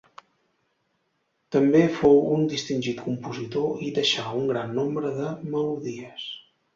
També fou un distingit compositor i deixà un gran nombre de melodies.